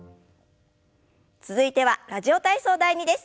続いては「ラジオ体操第２」です。